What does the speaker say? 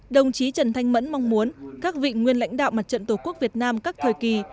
đồng chí trần thanh mẫn mong muốn các vị nguyên lãnh đạo mặt trận tổ quốc việt nam các thời kỳ